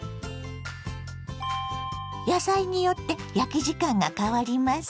野菜によって焼き時間が変わります。